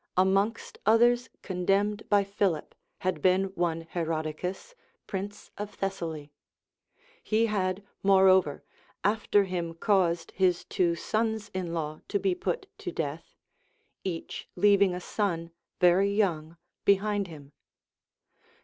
Amongst others condemned by Philip, had been one Herodicus, prince of Thessaly; he had, moreover, after him caused his two sons in law to be put to death, each leaving a son very young behind him.